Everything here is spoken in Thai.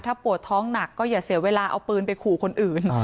ถ้าปวดท้องหนักก็อย่าเสียเวลาเอาปืนไปขู่คนอื่น